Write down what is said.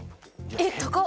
えっ高っ。